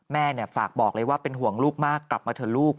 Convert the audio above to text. แม่ฝากบอกเลยว่าเป็นห่วงลูกมากกลับมาเถอะลูก